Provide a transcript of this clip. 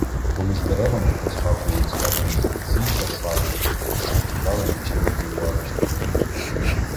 Поміж деревами проскакують злякані зайці та сарни, що втікали від широкої лави червоних.